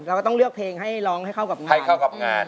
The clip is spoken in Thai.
เราก็ต้องเลือกเพลงให้ร้องให้เข้ากับงาน